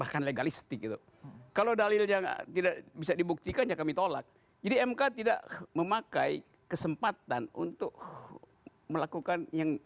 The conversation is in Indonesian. kalau dalilnya tidak bisa dibuktikan ya kami tolak jadi mk tidak memakai kesempatan untuk melakukan yang